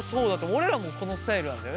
俺らもこのスタイルなんだよね。